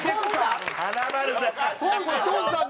華丸さん！